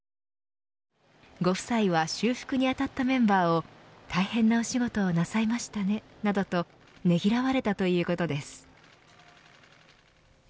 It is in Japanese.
ご夫妻は修復にあたったメンバーを大変なお仕事をなさいましたね、などとねぎらわれたということです。